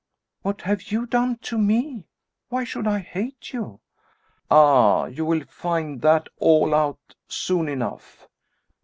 "What have you done to me? Why should I hate you?" "Ah! you will find that all out soon enough.